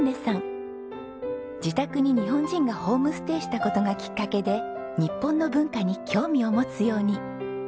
自宅に日本人がホームステイした事がきっかけで日本の文化に興味を持つように。